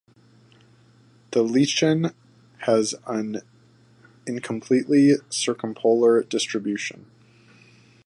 The lichen has an incompletely circumpolar distribution.